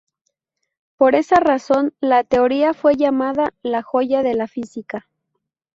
Por esa razón la teoría fue llamada "la joya de la física".